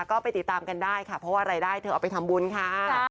ก็ไปติดตามกันได้ค่ะเพราะว่ารายได้เธอเอาไปทำบุญค่ะ